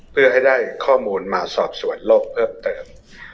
เพื่อให้ได้ข้อมูลมาสอบสวนโลกเพิ่มเติม